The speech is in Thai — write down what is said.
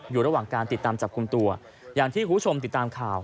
อยู่ระหว่างการติดตามจับกลุ่มตัวอย่างที่คุณผู้ชมติดตามข่าว